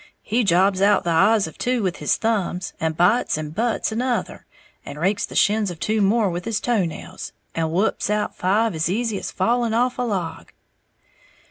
He jobs out the eyes of two with his thumbs, and bites and butts another, and rakes the shins of two more with his toe nails, and whups out five as easy as falling off a log!"